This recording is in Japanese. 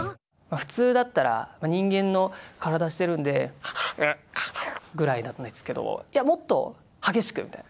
普通だったら人間の体してるんで「ハフッハフッ」ぐらいなんですけどいやもっと激しくみたいな。